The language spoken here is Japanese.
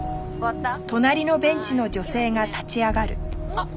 あっ！